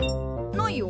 ないよ。